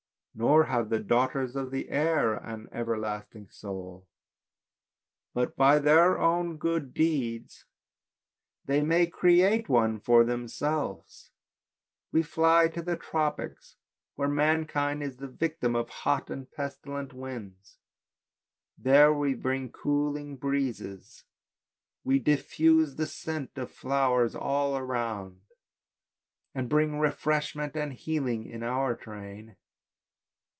Nor have the daughters of the air an everlasting soul, but by their own good deeds the}'' THE MERMAID 21 may create one for themselves. We fly to the tropics where mankind is the victim of hot and pestilent winds, there we bring cooling breezes. We diffuse the scent of flowers all around, and bring refreshment and healing in our train.